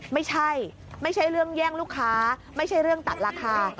ไม่ใช่ไม่ใช่เรื่องแย่งลูกค้าไม่ใช่เรื่องตัดราคา